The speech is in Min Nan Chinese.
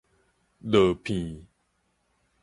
落片